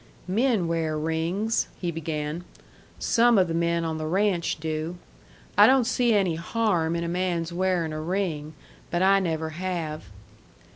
"Men wear rings," he began. "Some of the men on the ranch do. I don't see any harm in a man's wearin' a ring. But I never have."